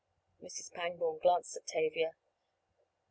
Mrs. Pangborn glanced at Tavia.